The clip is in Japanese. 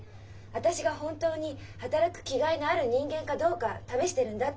「私が本当に働く気概のある人間かどうか試してるんだ」